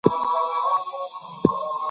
لیکوال باید په خپله څېړنه کي تېروتنه ونه کړي.